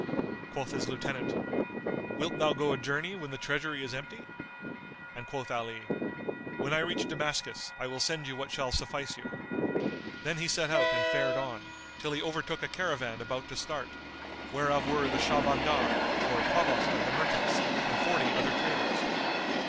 Quoth his lieutenant, "Wilt thou go a journey when the treasury is empty?"; and quoth Ali, "When I reach Damascus I will send you what shall suffice you." Then he set out and fared on, till he overtook a caravan about to start, whereof were the Shah bandar, or Provost of the Merchants, and forty other traders.